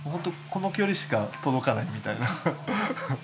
この距離しか届かないみたいな。